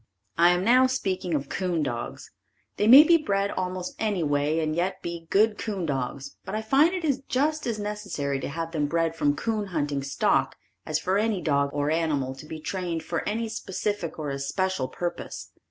I am now speaking of coon dogs. They may be bred almost any way and yet be good coon dogs but I find it is just as necessary to have them bred from coon hunting stock as for any dog or animal to be trained for any specific or especial purpose.